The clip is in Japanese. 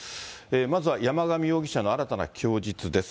まずは山上容疑者の新たな供述です。